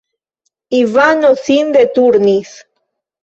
Ivano sin deturnis.